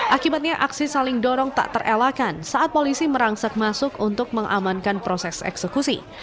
akibatnya aksi saling dorong tak terelakkan saat polisi merangsak masuk untuk mengamankan proses eksekusi